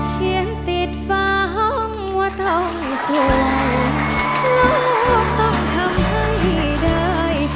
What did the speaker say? ติดฟ้าห้องว่าต้องสวยโลกต้องทำให้ได้